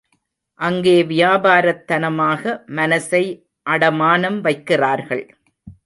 அங்கே வியாபாரத்தனமாக மனசை அடமானம் வைக்கிறார்கள்.